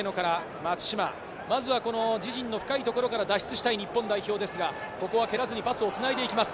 まずは自陣の深いところから脱出したい日本代表ですが、ここは蹴らずにパスをつないでいきます。